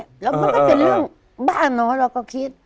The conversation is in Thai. แล้วมันก็เป็นเรื่องบ้าน้อยเราก็คิด